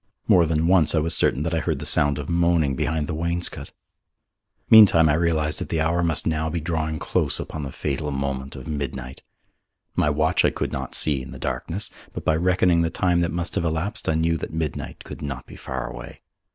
More than once I was certain that I heard the sound of moaning behind the wainscot. Meantime I realized that the hour must now be drawing close upon the fatal moment of midnight. My watch I could not see in the darkness, but by reckoning the time that must have elapsed I knew that midnight could not be far away.